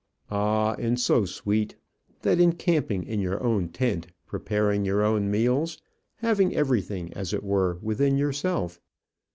"Ah! and so sweet! That encamping in your own tent; preparing your own meals; having everything, as it were, within yourself.